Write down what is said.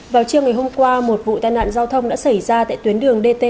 vào chiều ngày hôm qua một vụ tai nạn giao thông đã xảy ra tại tuyến đường dt sáu trăm bốn mươi năm